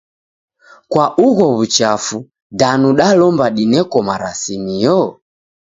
Kwa ugho w'uchafu danu dalomba dineko marasimio?